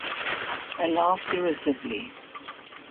I laughed derisively.